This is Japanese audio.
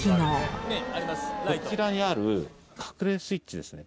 こちらにある隠れスイッチですね。